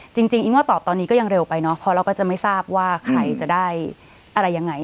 จริงอิงว่าตอบตอนนี้ก็ยังเร็วไปเนาะเพราะเราก็จะไม่ทราบว่าใครจะได้อะไรยังไง